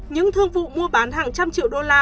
những thương vụ mua bán hàng trăm triệu đô la